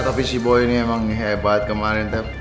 tapi si boy ini emang hebat kemarin teh